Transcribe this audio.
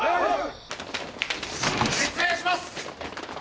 失礼します。